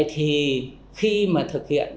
vậy thì khi mà thực hiện